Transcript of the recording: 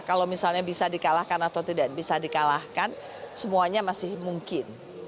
kalau misalnya bisa dikalahkan atau tidak bisa dikalahkan semuanya masih mungkin